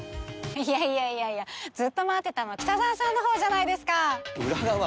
いやいやいやいやずっと待ってたの北澤さんのほうじゃないですか！